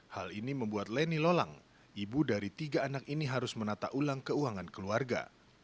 hal ini membuat leni lolang ibu dari tiga anak ini harus menata ulang keuangan keluarga